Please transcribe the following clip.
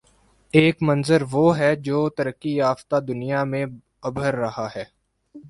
ایک منظروہ ہے جو ترقی یافتہ دنیا میں ابھر رہا ہے۔